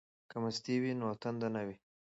که مستې وي نو تنده نه وي.